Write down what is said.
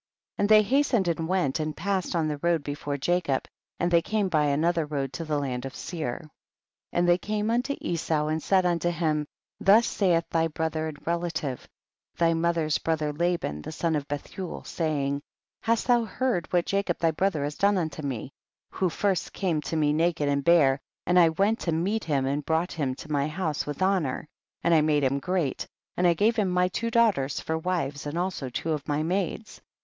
55. And thev hastened and went and passed on the road before Jacob, and they came by another road to the land of Seir. 56. And they came unto Esau and said unto him, thus saith thy brother and relative, thy mother's brother Laban, the son of Bethuel, saying, 57. Ilast thou heard what Jacob thy brother has done unto mc, who first came to me naked and bare, and 1 went to meet him, and brought him to my house with honor, and I made him great, and I gave him my two daughters for wives and also two of my maids.